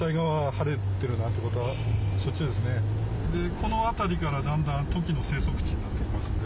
この辺りからだんだんトキの生息地になってきますんで。